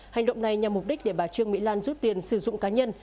hành động này nhằm mục đích để bà trương mỹ lan rút tiền sử dụng cá nhân